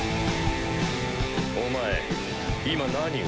お前今何を？